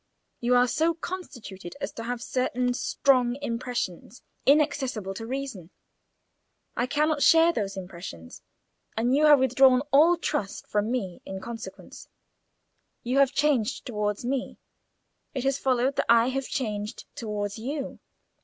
You are so constituted as to have certain strong impressions inaccessible to reason: I cannot share those impressions, and you have withdrawn all trust from me in consequence. You have changed towards me; it has followed that I have changed towards you.